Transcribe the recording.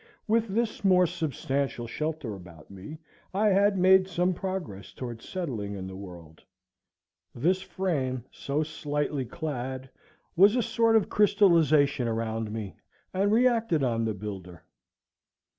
With this more substantial shelter about me, I had made some progress toward settling in the world. This frame, so slightly clad, was a sort of crystallization around me, and reacted on the builder.